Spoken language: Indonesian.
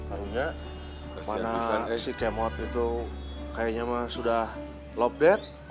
aunya mana si kemot itu kayaknya mah sudah love dead